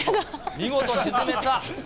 見事沈めた。